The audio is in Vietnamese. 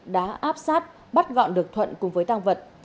đã áp sát bắt gọn được thuận cùng với tăng vật